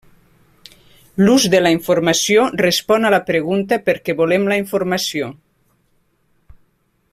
L’ús de la informació respon a la pregunta per què volem la informació.